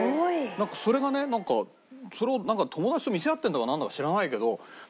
なんかそれがねそれをなんか友達と見せ合ってるんだかなんだか知らないけど。